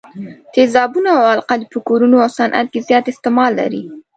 تیزابونه او القلي په کورونو او صنعت کې زیات استعمال لري.